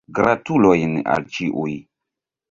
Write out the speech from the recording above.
Gratulojn al ĉiuj.